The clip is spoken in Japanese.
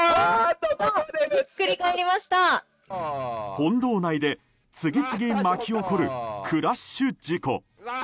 本堂内で次々巻き起こるクラッシュ事故。